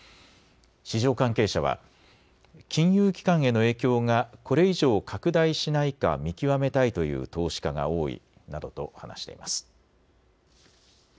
市場関係者は金融機関への影響がこれ以上拡大しないか見極めたいという投資家が多いなどと話しています。